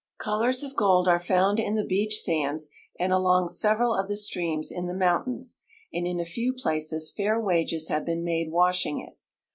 Colors of gold are found in the beach sands and along several of the streams in the mountains, and in a feAV i)laces fair AA'ages luiA'e been made Avashing it.